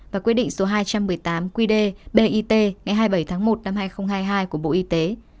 và quyết định số hai trăm một mươi tám quy đề bit ngày hai mươi bảy tháng một năm hai nghìn hai mươi hai của bộ y tế